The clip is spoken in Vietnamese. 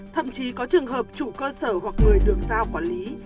thậm chí có trường hợp chủ cơ sở hoặc người được giao quản lý